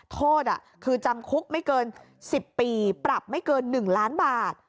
โทษคือจำคุกไม่เกิน๑๐ปีปรับไม่เกิน๑ล้านบาท